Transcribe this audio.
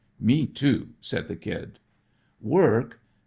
"Me too," said the Kid. "Work!